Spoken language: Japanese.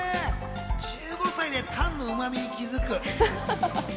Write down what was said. １５歳でタンのうまみに気づく。